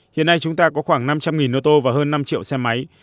hiện nay chúng ta có khoảng năm trăm linh ô tô và hơn năm triệu xe máy